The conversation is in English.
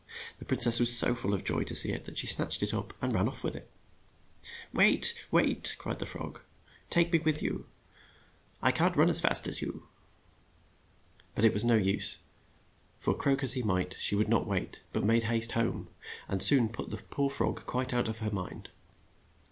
The prin cess was so full of joy to see it that she snatched it up and ran off with it. ' Wait, wait," cried the frog. "Take me with you, I can't 44 THE FROG PRINCE run as fast as you." But it was of no use, for croak as he might she would not wait, but made haste home, and soon put the poor frog quite out of her mind.